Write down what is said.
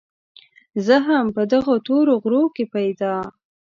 زه هم په دغه تورو غرو کې پيدا